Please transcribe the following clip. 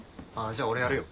じゃあ俺やるよ。